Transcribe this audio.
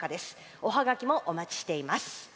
おハガキもお待ちしています。